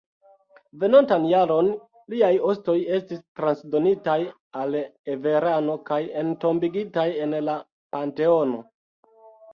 Venontan jaron liaj ostoj estis transdonitaj al Erevano kaj entombigitaj en la Panteono.